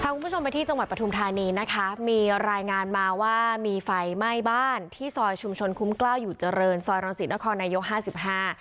คุณผู้ชมไปที่จังหวัดปฐุมธานีนะคะมีรายงานมาว่ามีไฟไหม้บ้านที่ซอยชุมชนคุ้มกล้าวอยู่เจริญซอยรังสิตนครนายกห้าสิบห้า